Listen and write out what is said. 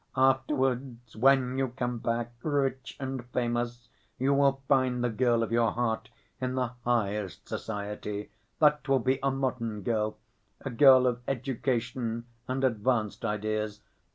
Afterwards, when you come back rich and famous, you will find the girl of your heart in the highest society. That will be a modern girl, a girl of education and advanced ideas.